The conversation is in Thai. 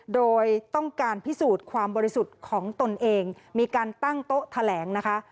โดยต้องการพิสูจน์ความบริสุทธิ์ของตนเองมีการตั้งโต๊ะแถลงนะคะ